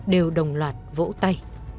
đều đồng loạt vỗ tay